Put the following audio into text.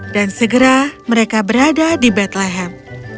dan segera mereka berada di bethlehem